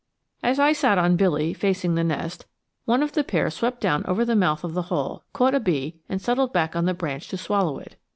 As I sat on Billy, facing the nest, one of the pair swept down over the mouth of the hole, caught a bee and settled back on the branch to swallow it.